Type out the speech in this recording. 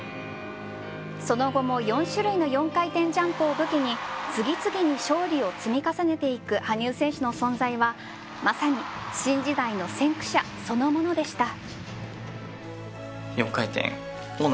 その後も４種類の４回転ジャンプを武器に次々に勝利を積み重ねていく羽生選手の存在はまさに新時代の先駆者そのものでした。